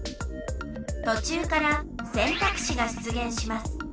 とちゅうからせんたくしが出現します。